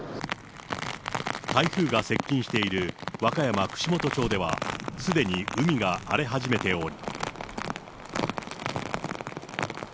台風が接近している和歌山・串本町では、すでに海が荒れ始めており。